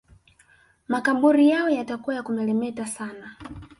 Makaburi yao yatakuwa ya kumelemeta sana